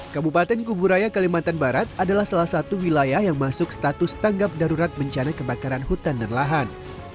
kabupaten kuburaya kalimantan barat adalah salah satu wilayah yang masuk status tanggap darurat bencana kebakaran hutan dan lahan